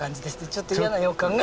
ちょっと嫌な予感が。